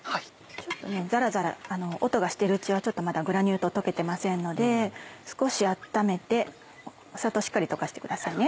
ザラザラ音がしているうちはちょっとまだグラニュー糖溶けてませんので少し温めて砂糖しっかり溶かしてくださいね。